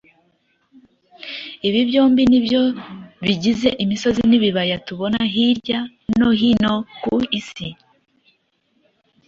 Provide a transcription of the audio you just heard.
Ibi byombi ni byo bigize imisozi n’ibibaya tubona hirya no hino ku isi.